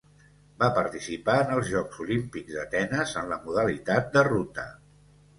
Va participar en els Jocs Olímpics d'Atenes en la modalitat de ruta.